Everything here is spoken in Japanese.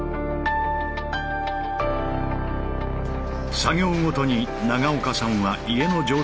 作業ごとに長岡さんは家の状態を確認。